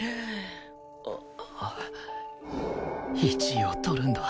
１位を取るんだ